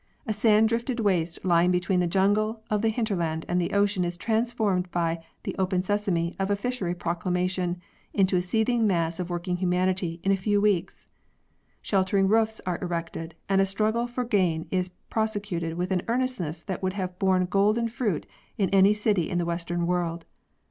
A sand drifted waste lying between the jungle of the hinterland and the ocean is transformed by the "open Sesame" of a fishery proclamation into a seething mass of working humanity in a few weeks. Sheltering roofs are erected, and a struggle for gain is prosecuted with an earnestness that would have borne golden fruit in any city in the Western World.